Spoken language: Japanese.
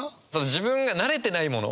自分が慣れてないもの